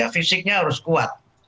fisiknya harus kuat